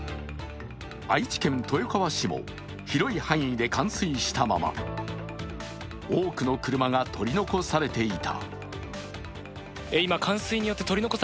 愛知県豊川市も広い範囲で冠水したまま、多くの車が取り残されていた。